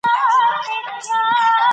ناسا د سایکي په اړه څېړنې کوي.